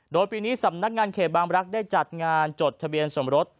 โดยปีนี้สำนักงานเขตบางรักษ์ได้จัดงานจดทะเบียนสมรส